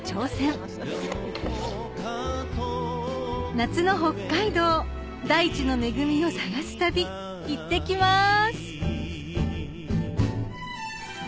夏の北海道大地の恵みを探す旅いってきます！